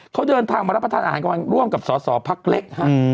เขาเดินทางมารับประทานอาหารก่อนร่วมกับสอสอพักเล็กฮะ